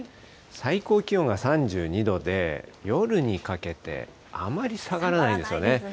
最高気温が３２度で、夜にかけてあまり下がらないんですよね。